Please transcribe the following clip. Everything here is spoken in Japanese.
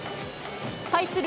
対する